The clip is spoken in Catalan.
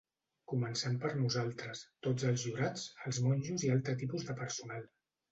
Començant per nosaltres, tots els jurats, els monjos i altre tipus de personal.